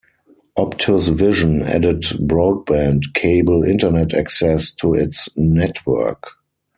Optus Vision added broadband cable internet access to its network.